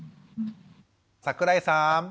桜井さん。